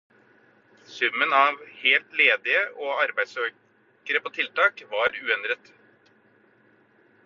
Summen av helt ledige og arbeidssøkere på tiltak var uendret.